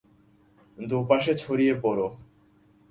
দুপাশে ছড়িয়ে পড়ো!